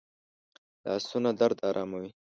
لاسونه درد آراموي